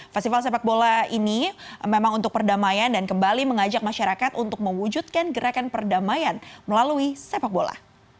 festival sepak bola ini memang untuk perdamaian dan kembali mengajak masyarakat untuk mewujudkan gerakan perdamaian melalui sepak bola